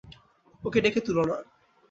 ওকে ডেকে তুলো না!